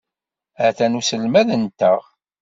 Atan uselmad-nteɣ.